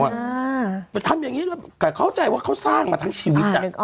ไปทำอย่างนี้กับเข้าใจว่าเขาสร้างมาทั้งชีวิตอ่ะ